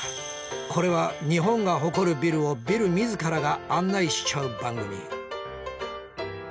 これは日本が誇るビルをビル自らが案内しちゃう番組。